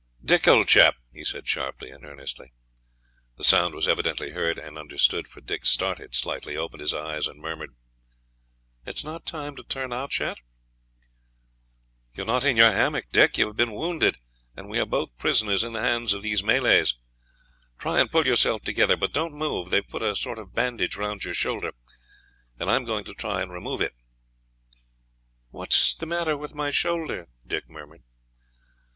"Dick, old chap," he said sharply and earnestly. The sound was evidently heard and understood, for Dick started slightly, opened his eyes and murmured, "It's not time to turn out yet?" "You are not in your hammock, Dick; you have been wounded, and we are both prisoners in the hands of these Malays. Try and pull yourself together, but don't move; they have put a sort of bandage round your shoulder, and I am going to try and improve it." "What is the matter with my shoulder?" Dick murmured.